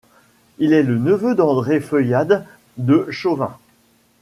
Il est le neveu d'André Feuilhade de Chauvin.